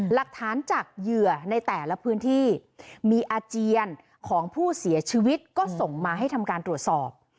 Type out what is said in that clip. หลักฐานจากเหยื่อในแต่ละพื้นที่มีอาเจียนของผู้เสียชีวิตก็ส่งมาให้ทำการตรวจสอบ